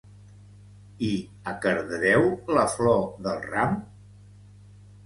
I a Cardedeu la flor del ram?